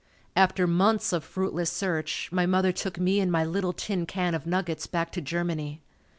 After months of fruitless search my mother took me and my little tin can of nuggets back to Germany.